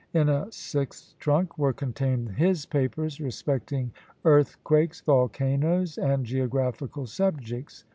In a sixth trunk were contained his papers respecting earthquakes, volcanoes, and geographical subjects."